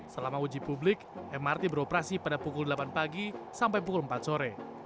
selama uji publik mrt beroperasi pada pukul delapan pagi sampai pukul empat sore